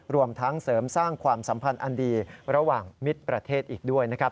รวมทั้งเสริมสร้างความสัมพันธ์อันดีระหว่างมิตรประเทศอีกด้วยนะครับ